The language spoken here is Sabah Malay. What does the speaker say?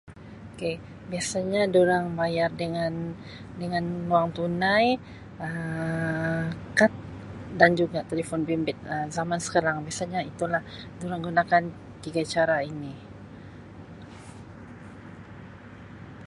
""" 'kay "" biasanya durang bayar dengan-dengan wang tunai, Um kad dan juga telefon bimbit, Um zaman sekarang biasanya itulah durang gunakan tiga cara ini."